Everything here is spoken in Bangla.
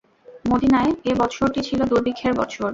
মদীনায় এবৎসরটি ছিল দুর্ভিক্ষের বৎসর।